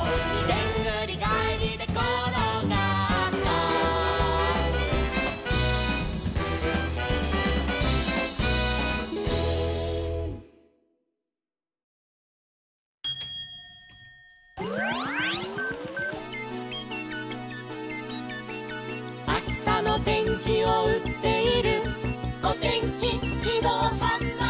「でんぐりがえりでころがった」「あしたのてんきをうっているおてんきじどうはんばいき」